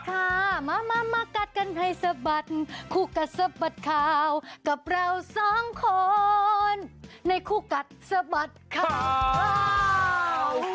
ค่ะมามากัดกันให้สะบัดคู่กัดสะบัดข่าวกับเราสองคนในคู่กัดสะบัดข่าว